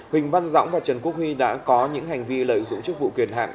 huỳnh văn dõng và trần quốc huy đã có những hành vi lợi dụng chức vụ quyền hạn